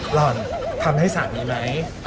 หล่อนทำให้สามีไหม